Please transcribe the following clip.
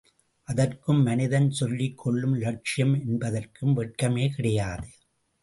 அதற்கும் மனிதன் சொல்லிக் கொள்ளும் லட்சியம் என்பதற்கும் வெட்கமே கிடையாது.